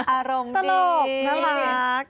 อารมณ์ดีสลบมาก